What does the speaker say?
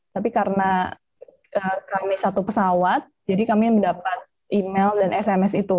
tapi karena kami satu pesawat jadi kami mendapat email dan sms itu